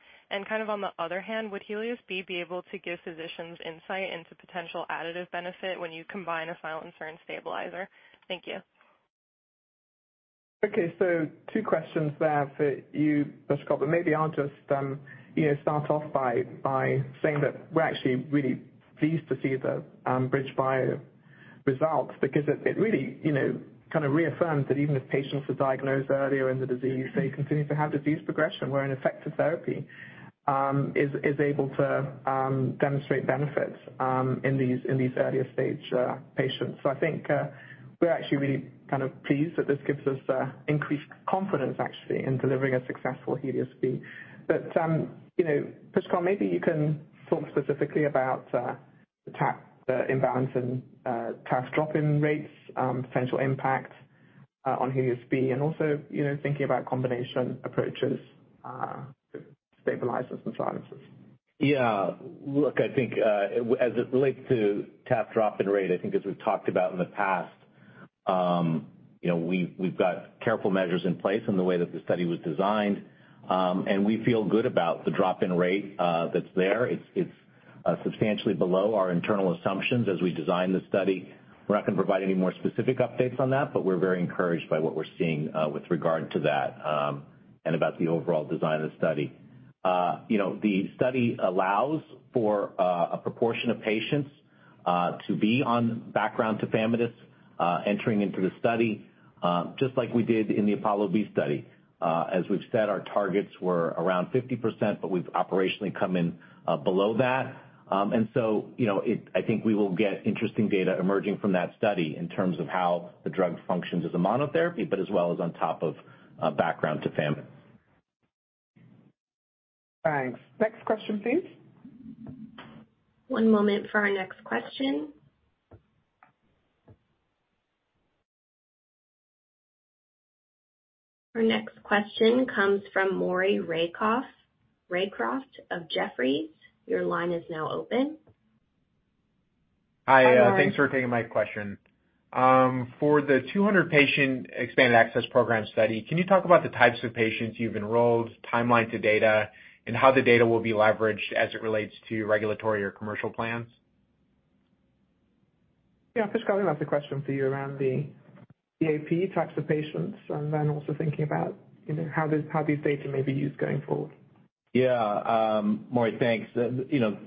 Speaker 12: Kind of on the other hand, would HELIOS-B be able to give physicians insight into potential additive benefit when you combine a silencer and stabilizer? Thank you.
Speaker 3: Okay, 2 questions there for you, Pascal, but maybe I'll just, you know, start off by saying that we're actually really pleased to see the BridgeBio results because it, it really, you know, kind of reaffirms that even if patients are diagnosed earlier in the disease, they continue to have disease progression, where an effective therapy is able to demonstrate benefits in these, in these earlier-stage patients. I think we're actually really kind of pleased that this gives us increased confidence, actually, in delivering a successful HELIOS-B. You know, Pascal, maybe you can talk specifically about the TAF, the imbalance and TAF drop-in rates, potential impact on HELIOS-B, and also, you know, thinking about combination approaches, stabilizers and silencers.
Speaker 5: Yeah. Look, I think as it relates to TAF drop-in rate, I think as we've talked about in the past, you know, we've, we've got careful measures in place in the way that the study was designed. We feel good about the drop-in rate that's there. It's, it's substantially below our internal assumptions as we designed the study. We're not going to provide any more specific updates on that, but we're very encouraged by what we're seeing with regard to that and about the overall design of the study. You know, the study allows for a proportion of patients to be on background tafamidis entering into the study, just like we did in the APOLLO V study. As we've said, our targets were around 50%, but we've operationally come in below that. You know, I think we will get interesting data emerging from that study in terms of how the drug functions as a monotherapy, but as well as on top of a background tafamidis.
Speaker 3: Thanks. Next question, please.
Speaker 1: One moment for our next question. Our next question comes from Maury Raycroft, Raycroft of Jefferies. Your line is now open.
Speaker 13: Hi.
Speaker 1: Hi, Maury.
Speaker 13: thanks for taking my question. For the 200-patient expanded access program study, can you talk about the types of patients you've enrolled, timeline to data, and how the data will be leveraged as it relates to regulatory or commercial plans?
Speaker 3: Yeah, Pascal, that's a question for you around the EAP types of patients and then also thinking about, you know, how this, how these data may be used going forward.
Speaker 5: Yeah, Maury, thanks. You know,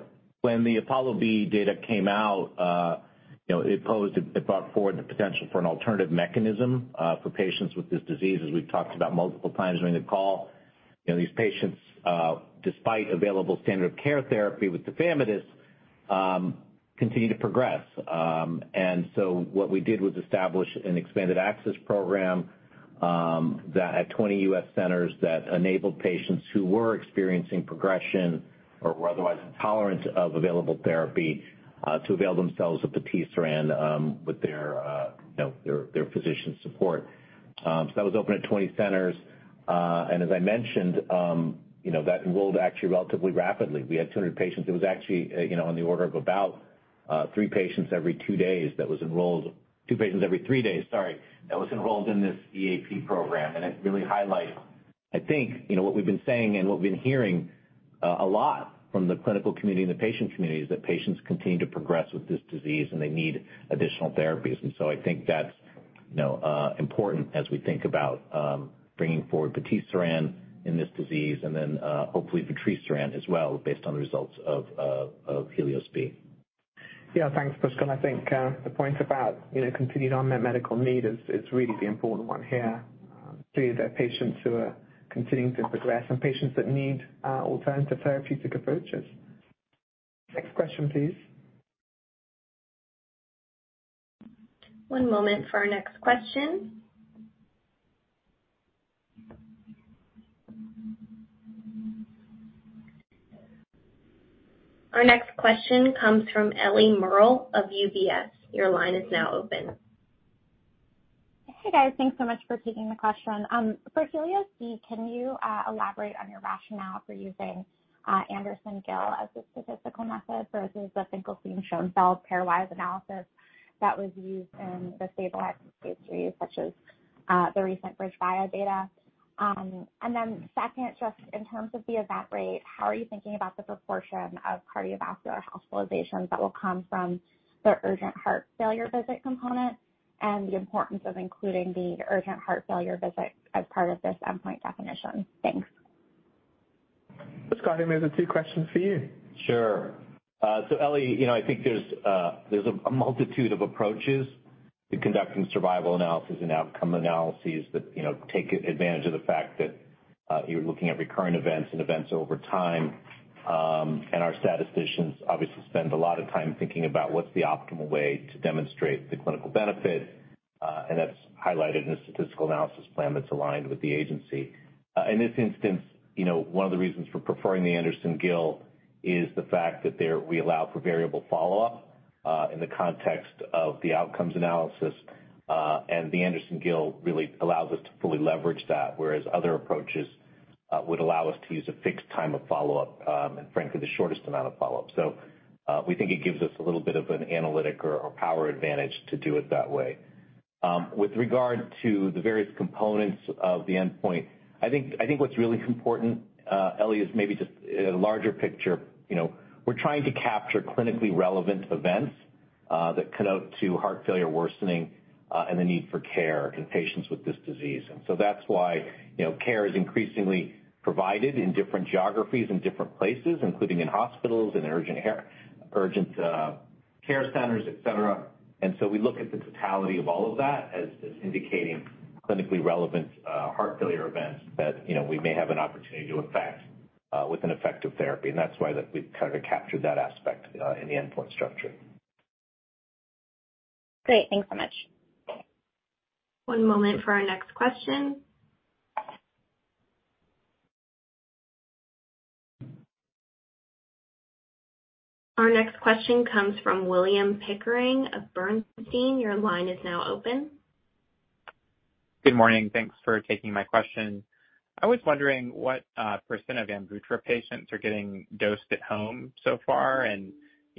Speaker 5: when the APOLLO-B data came out, you know, it posed, it brought forward the potential for an alternative mechanism for patients with this disease, as we've talked about multiple times during the call. You know, these patients, despite available standard of care therapy with tafamidis, continue to progress. So what we did was establish an expanded access program that at 20 U.S. centers that enabled patients who were experiencing progression or were otherwise intolerant of available therapy, to avail themselves of patisiran, with their, you know, their, their physician support. So that was open at 20 centers. As I mentioned, you know, that enrolled actually relatively rapidly. We had 200 patients. It was actually, you know, on the order of about, 3 patients every 2 days that was enrolled. 2 patients every 3 days, sorry, that was enrolled in this EAP program. It really highlights, I think, you know, what we've been saying and what we've been hearing, a lot from the clinical community and the patient community, is that patients continue to progress with this disease, and they need additional therapies. So I think that's, you know, important as we think about bringing forward patisiran in this disease and then, hopefully, vutrisiran as well, based on the results of HELIOS-B.
Speaker 3: Yeah, thanks, Scott. I think, the point about, you know, continued unmet medical need is, is really the important one here. Clearly, there are patients who are continuing to progress and patients that need, alternative therapeutic approaches. Next question, please.
Speaker 1: One moment for our next question. Our next question comes from Ellie Merle of UBS. Your line is now open.
Speaker 14: Hey, guys. Thanks so much for taking the question. For HELIOS-B, can you elaborate on your rationale for using Andersen-Gill as the statistical method versus the Finkelstein-Schoenfeld pairwise analysis that was used in the stabilized phase 3s, such as the recent BridgeBio data? Second, just in terms of the event rate, how are you thinking about the proportion of cardiovascular hospitalizations that will come from the urgent heart failure visit component, and the importance of including the urgent heart failure visit as part of this endpoint definition? Thanks.
Speaker 3: Scott, I think those are two questions for you.
Speaker 5: Sure. Ellie, you know, I think there's a multitude of approaches to conducting survival analysis and outcome analyses that, you know, take advantage of the fact that you're looking at recurrent events and events over time. Our statisticians obviously spend a lot of time thinking about what's the optimal way to demonstrate the clinical benefit, and that's highlighted in the statistical analysis plan that's aligned with the agency. In this instance, you know, one of the reasons for preferring the Andersen-Gill is the fact that there, we allow for variable follow-up in the context of the outcomes analysis. The Andersen-Gill really allows us to fully leverage that, whereas other approaches would allow us to use a fixed time of follow-up, and frankly, the shortest amount of follow-up. We think it gives us a little bit of an analytic or, or power advantage to do it that way. With regard to the various components of the endpoint, I think, I think what's really important, Ellie, is maybe just a larger picture. You know, we're trying to capture clinically relevant events that connote to heart failure worsening and the need for care in patients with this disease. That's why, you know, care is increasingly provided in different geographies, in different places, including in hospitals and urgent care, urgent care centers, et cetera. We look at the totality of all of that as, as indicating clinically relevant heart failure events that, you know, we may have an opportunity to affect with an effective therapy, and that's why that we've kind of captured that aspect in the endpoint structure.
Speaker 14: Great. Thanks so much.
Speaker 1: One moment for our next question. Our next question comes from William Pickering of Bernstein. Your line is now open.
Speaker 15: Good morning. Thanks for taking my question. I was wondering what % of AMVUTTRA patients are getting dosed at home so far? You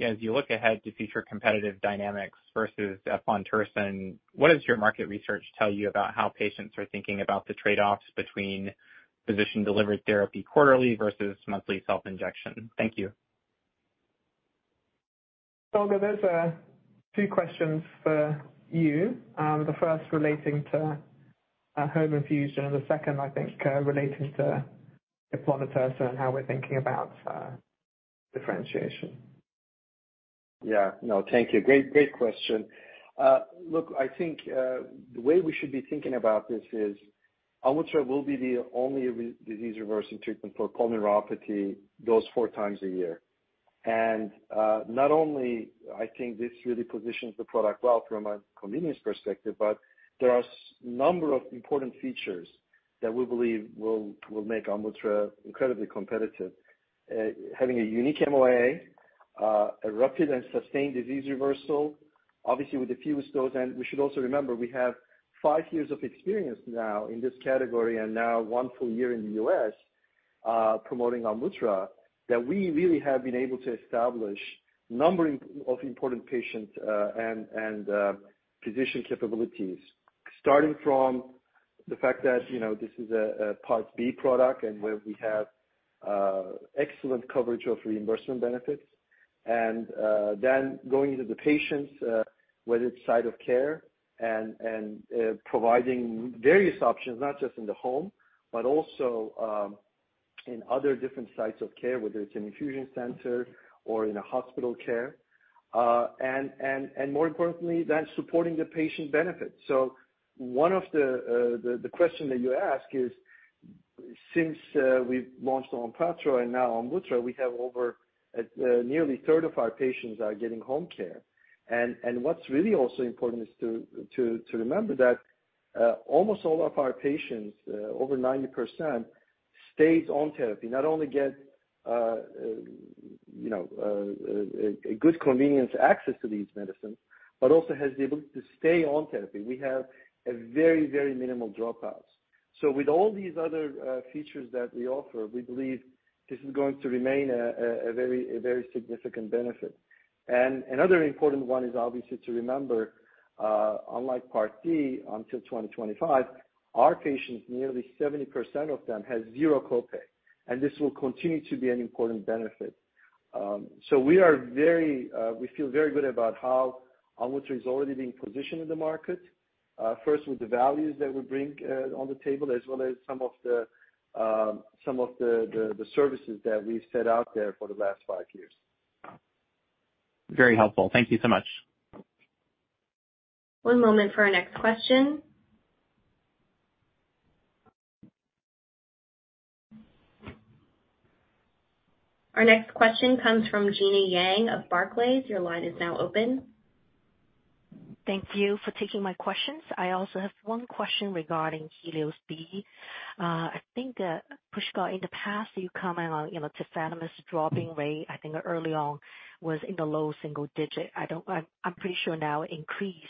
Speaker 15: know, as you look ahead to future competitive dynamics versus eplontersen, what does your market research tell you about how patients are thinking about the trade-offs between physician-delivered therapy quarterly versus monthly self-injection? Thank you.
Speaker 3: Tolga, those are two questions for you. The first relating to home infusion and the second, I think, relating to eplontersen and how we're thinking about differentiation.
Speaker 4: Yeah. No, thank you. Great, great question. Look, I think the way we should be thinking about this is, AMVUTTRA will be the only re- disease-reversing treatment for pulmonary artery, dosed four times a year. Not only I think this really positions the product well from a convenience perspective, but there are number of important features that we believe will, will make AMVUTTRA incredibly competitive. Having a unique MOA, a rapid and sustained disease reversal, obviously, with a few doses. We should also remember, we have five years of experience now in this category and now one full year in the US, promoting AMVUTTRA, that we really have been able to establish number of important patients, and physician capabilities. Starting from the fact that, you know, this is a Part B product, and where we have excellent coverage of reimbursement benefits, then going into the patients, whether it's site of care and, and providing various options, not just in the home, but also in other different sites of care, whether it's an infusion center or in a hospital care. More importantly, that's supporting the patient benefit. One of the, the, the question that you ask is, since we've launched ONPATTRO and now AMVUTTRA, we have over nearly a third of our patients are getting home care. What's really also important is to, to, to remember that almost all of our patients, over 90%, stays on therapy. Not only get, you know, a good convenience access to these medicines, but also has the ability to stay on therapy. We have a very, very minimal dropouts. With all these other features that we offer, we believe this is going to remain a very, a very significant benefit. Another important one is obviously to remember, unlike Part D, until 2025, our patients, nearly 70% of them, have zero copay, and this will continue to be an important benefit. We are very, we feel very good about how AMVUTTRA is already being positioned in the market. First, with the values that we bring on the table, as well as some of the, some of the services that we've set out there for the last 5 years.
Speaker 15: Very helpful. Thank you so much.
Speaker 1: One moment for our next question. Our next question comes from Gena Wang of Barclays. Your line is now open.
Speaker 16: Thank you for taking my questions. I also have one question regarding HELIOS-B. I think Pushkal, in the past, you comment on, you know, Tafamidis dropping rate, I think early on, was in the low single digit. I'm pretty sure now increased.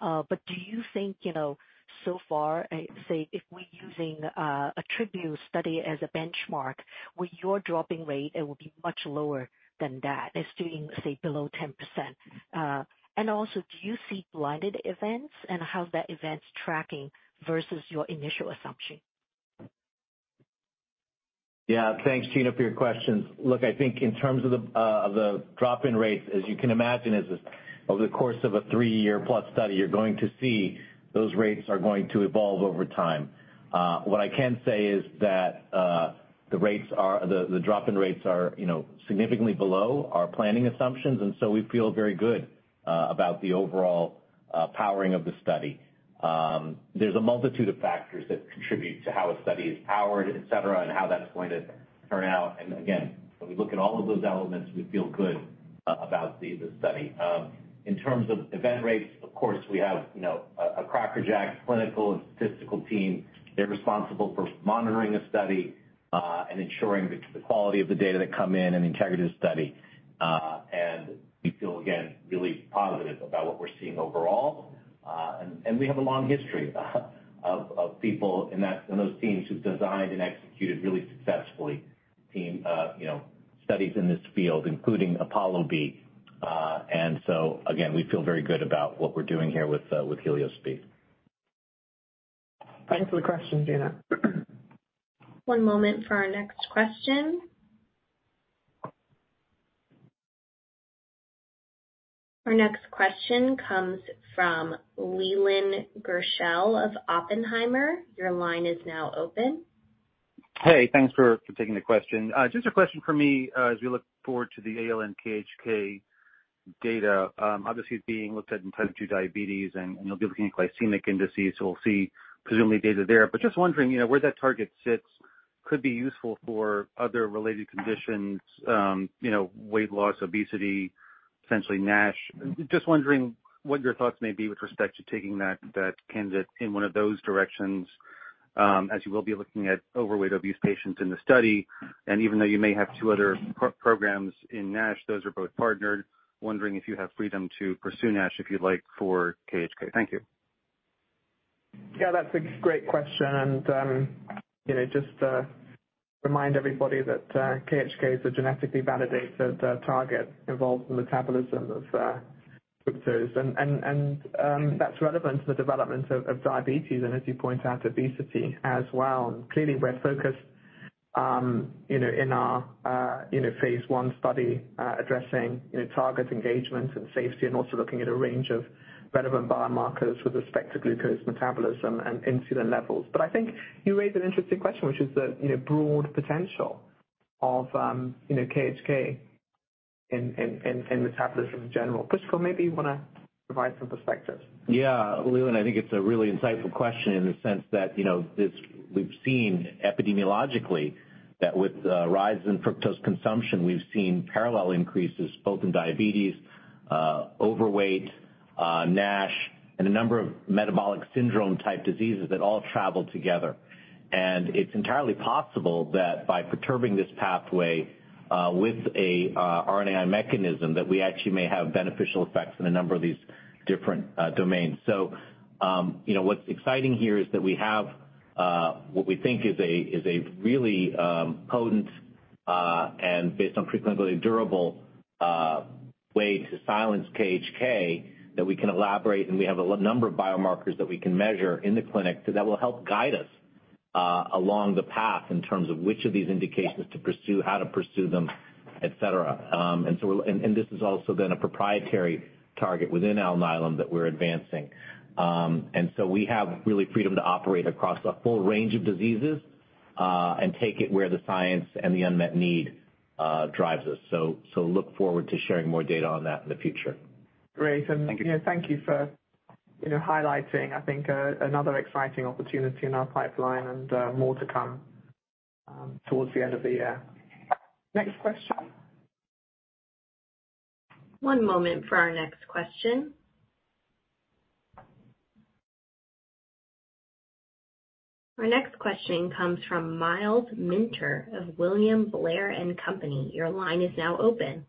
Speaker 16: Do you think, you know, so far, say, if we're using ATTRibute-CM study as a benchmark, with your dropping rate, it will be much lower than that, it's doing, say, below 10%? Also, do you see blinded events, and how's that event tracking versus your initial assumption?
Speaker 5: Yeah, thanks, Gena, for your questions. Look, I think in terms of the of the drop-in rates, as you can imagine, as of the course of a 3-year-plus study, you're going to see those rates are going to evolve over time. What I can say is that the rates are, the drop-in rates are, you know, significantly below our planning assumptions, and so we feel very good about the overall powering of the study. There's a multitude of factors that contribute to how a study is powered, et cetera, and how that's going to turn out. Again, when we look at all of those elements, we feel good about the study. In terms of event rates, of course, we have, you know, a, a cracker jack clinical and statistical team. They're responsible for monitoring the study, and ensuring the, the quality of the data that come in and the integrity of the study. We feel, again, really positive about what we're seeing overall. We have a long history of, of people in that, in those teams who've designed and executed really successfully, team, you know, studies in this field, including APOLLO-B. We feel very good about what we're doing here with HELIOS-B.
Speaker 4: Thanks for the question, Gena.
Speaker 1: One moment for our next question. Our next question comes from Leland Gershell of Oppenheimer. Your line is now open.
Speaker 17: Hey, thanks for, for taking the question. Just a question for me, as we look forward to the ALN-KHK data, obviously it's being looked at in type 2 diabetes and, and you'll be looking at glycemic indices, so we'll see presumably data there. Just wondering, you know, where that target sits could be useful for other related conditions, you know, weight loss, obesity, essentially NASH. Just wondering what your thoughts may be with respect to taking that, that candidate in one of those directions, as you will be looking at overweight, obese patients in the study. Even though you may have two other pro-programs in NASH, those are both partnered. Wondering if you have freedom to pursue NASH, if you'd like, for KHK. Thank you.
Speaker 4: Yeah, that's a great question, and, you know, just to remind everybody that KHK is a genetically validated target involved in the metabolism of fructose. That's relevant to the development of diabetes, and as you point out, obesity as well. Clearly, we're focused, you know, in our, you know, phase one study, addressing, you know, target engagement and safety, and also looking at a range of relevant biomarkers with respect to glucose metabolism and insulin levels. I think you raised an interesting question, which is the, you know, broad potential of, you know, KHK in, in, in, in metabolism in general. Pushko, maybe you want to provide some perspective?
Speaker 5: Yeah, Leland, I think it's a really insightful question in the sense that, you know, this -- we've seen epidemiologically, that with the rise in fructose consumption, we've seen parallel increases both in diabetes, overweight, NASH, and a number of metabolic syndrome-type diseases that all travel together. It's entirely possible that by perturbing this pathway, with a RNAi mechanism, that we actually may have beneficial effects in a number of these different domains. You know, what's exciting here is that we have, what we think is a, is a really, potent, and based on preclinically durable, way to silence KHK, that we can elaborate, and we have a number of biomarkers that we can measure in the clinic that will help guide us, along the path in terms of which of these indications to pursue, how to pursue them, et cetera. We're-- And, and this is also then a proprietary target within Alnylam that we're advancing. We have really freedom to operate across a full range of diseases.... and take it where the science and the unmet need drives us. Look forward to sharing more data on that in the future.
Speaker 3: Great. Thank you for, you know, highlighting, I think, another exciting opportunity in our pipeline and, more to come, towards the end of the year. Next question?
Speaker 1: One moment for our next question. Our next question comes from Myles Minter of William Blair & Company. Your line is now open.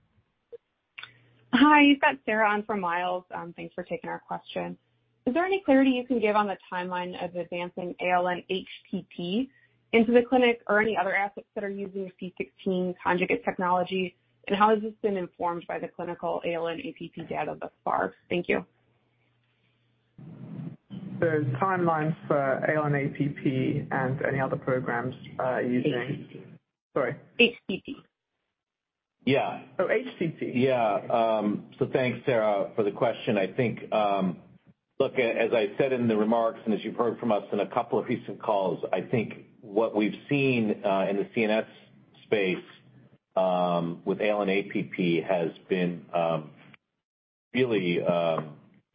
Speaker 18: Hi, you've got Sarah on for Myles. Thanks for taking our question. Is there any clarity you can give on the timeline of advancing ALN-HTT into the clinic or any other assets that are using C16 conjugate technology? How has this been informed by the clinical ALN-APP data thus far? Thank you.
Speaker 3: The timelines for ALN-APP and any other programs.
Speaker 18: HTT.
Speaker 3: Sorry?
Speaker 18: HTT.
Speaker 5: Yeah.
Speaker 3: Oh, HTT.
Speaker 5: Yeah. Thanks, Sarah, for the question. I think, look, as I said in the remarks, and as you've heard from us in a couple of recent calls, I think what we've seen in the CNS space with ALN-APP has been really,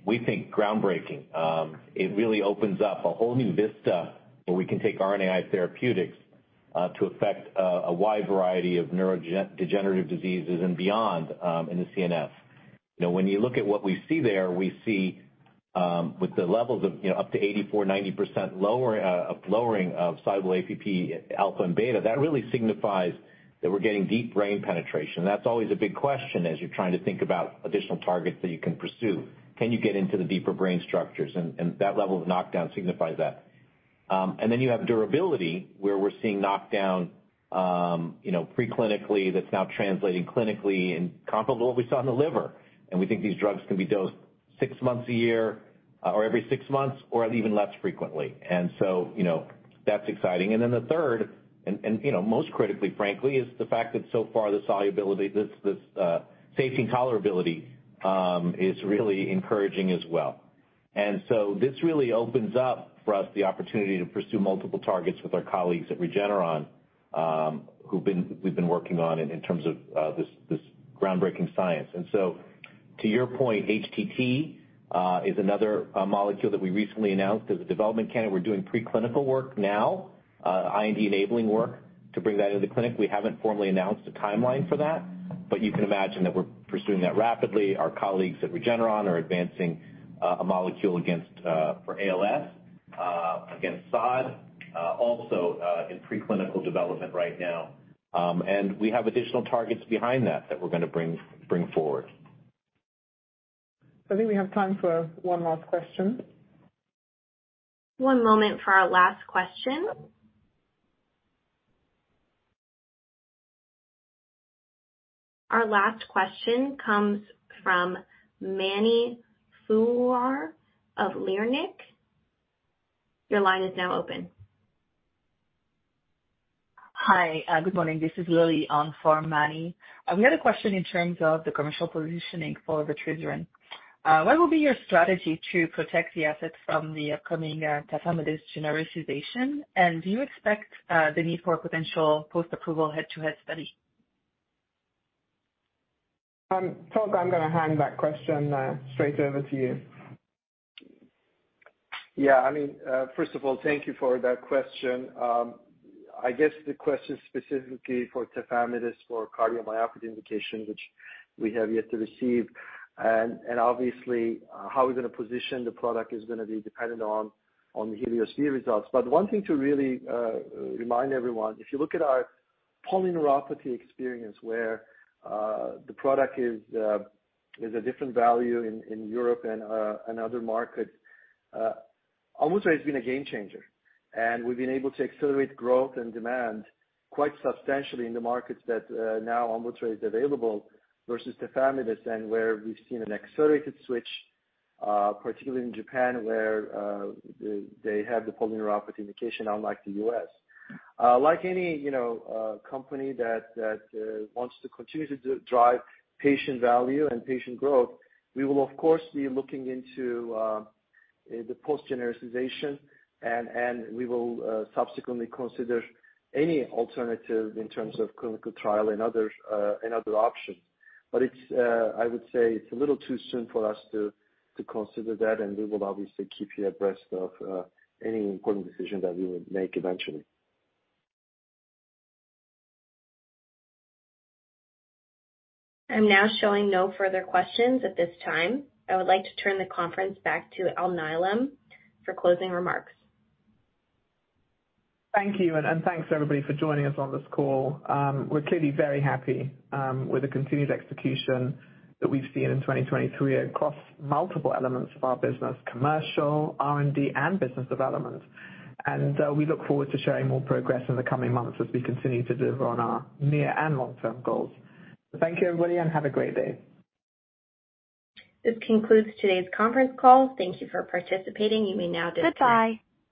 Speaker 5: we think, groundbreaking. It really opens up a whole new vista where we can take RNAi therapeutics to affect a wide variety of neurodegenerative diseases and beyond in the CNS. When you look at what we see there, we see with the levels of, you know, up to 84, 90% lower of lowering of soluble APP, alpha and beta, that really signifies that we're getting deep brain penetration. That's always a big question as you're trying to think about additional targets that you can pursue. Can you get into the deeper brain structures? That level of knockdown signifies that. Then you have durability, where we're seeing knockdown, you know, preclinically, that's now translating clinically and comparable to what we saw in the liver. We think these drugs can be dosed six months a year, or every six months or even less frequently. So, you know, that's exciting. Then the third, and, you know, most critically, frankly, is the fact that so far, the solubility, this, this safety and tolerability, is really encouraging as well. So this really opens up for us the opportunity to pursue multiple targets with our colleagues at Regeneron, who've been- we've been working on in, in terms of, this, this groundbreaking science. To your point, HTT is another molecule that we recently announced as a development candidate. We're doing preclinical work now, IND-enabling work to bring that into the clinic. We haven't formally announced a timeline for that, but you can imagine that we're pursuing that rapidly. Our colleagues at Regeneron are advancing a molecule against for ALS, against SOD, also in preclinical development right now. We have additional targets behind that, that we're gonna bring forward.
Speaker 3: I think we have time for one last question.
Speaker 1: One moment for our last question. Our last question comes from Mani Foroohar of Leerink Partners. Your line is now open.
Speaker 19: Hi, good morning. This is Lily on for Mani. We had a question in terms of the commercial positioning for vutrisiran. What will be your strategy to protect the assets from the upcoming Tafamidis genericization? Do you expect the need for potential post-approval head-to-head study?
Speaker 3: Tolga, I'm gonna hand that question straight over to you.
Speaker 4: Yeah, I mean, first of all, thank you for that question. I guess the question is specifically for Tafamidis, for cardiomyopathy indication, which we have yet to receive. Obviously, how we're going to position the product is going to be dependent on the HELIOS-B results. One thing to really remind everyone, if you look at our polyneuropathy experience, where the product is a different value in Europe and other markets, AMVUTTRA has been a game changer, and we've been able to accelerate growth and demand quite substantially in the markets that now AMVUTTRA is available versus Tafamidis and where we've seen an accelerated switch, particularly in Japan, where they have the polyneuropathy indication, unlike the U.S. Like any, you know, company that wants to continue to drive patient value and patient growth, we will, of course, be looking into the post-genericization, and we will subsequently consider any alternative in terms of clinical trial and other and other options. It's, I would say it's a little too soon for us to, to consider that, and we will obviously keep you abreast of any important decision that we would make eventually.
Speaker 1: I'm now showing no further questions at this time. I would like to turn the conference back to Alnylam for closing remarks.
Speaker 3: Thank you, and thanks, everybody, for joining us on this call. We're clearly very happy with the continued execution that we've seen in 2023 across multiple elements of our business, commercial, R&D, and business development. We look forward to sharing more progress in the coming months as we continue to deliver on our near and long-term goals. Thank you, everybody, and have a great day.
Speaker 1: This concludes today's conference call. Thank you for participating. You may now disconnect.